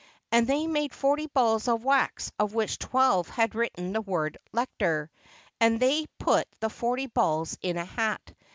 And they made forty balls of wax of which twelve had within the word "Lector"; and they put the forty balls in a hat.